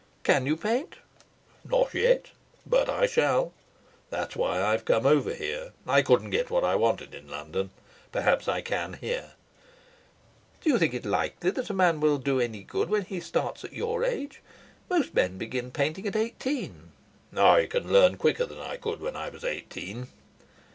"Can you paint?" "Not yet. But I shall. That's why I've come over here. I couldn't get what I wanted in London. Perhaps I can here." "Do you think it's likely that a man will do any good when he starts at your age? Most men begin painting at eighteen." "I can learn quicker than I could when I was eighteen."